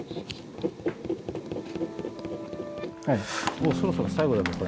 もうそろそろ最後だべこれ。